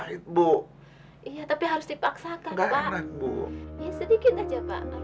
kita jual gelang ini pak